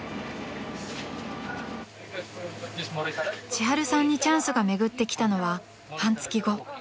［ちはるさんにチャンスが巡ってきたのは半月後］